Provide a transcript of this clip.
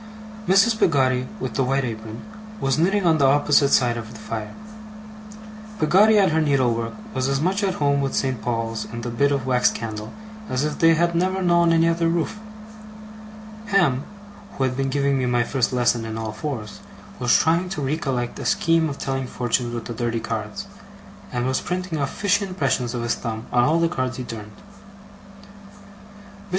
Mrs. Peggotty with the white apron, was knitting on the opposite side of the fire. Peggotty at her needlework was as much at home with St. Paul's and the bit of wax candle, as if they had never known any other roof. Ham, who had been giving me my first lesson in all fours, was trying to recollect a scheme of telling fortunes with the dirty cards, and was printing off fishy impressions of his thumb on all the cards he turned. Mr.